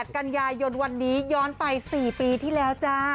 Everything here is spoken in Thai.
กันยายนวันนี้ย้อนไป๔ปีที่แล้วจ้า